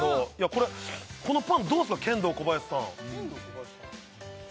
これこのパンどうですかケンドーコバヤシさん